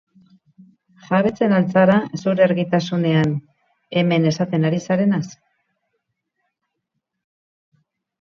Jabetzen al zara, zure argitasunean, hemen esaten ari zarenaz?